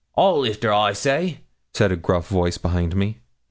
'I'll lift her, I say!' said a gruff voice behind me.